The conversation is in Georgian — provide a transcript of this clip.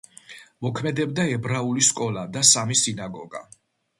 მოქმედებდა ებრაული სკოლა და სამი სინაგოგა.